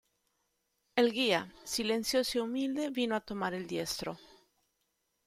el guía, silencioso y humilde, vino a tomar el diestro.